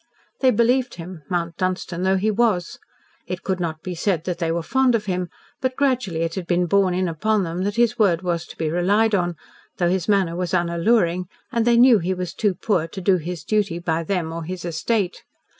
They believed him, Mount Dunstan though he was. It could not be said that they were fond of him, but gradually it had been borne in upon them that his word was to be relied on, though his manner was unalluring and they knew he was too poor to do his duty by them or his estate.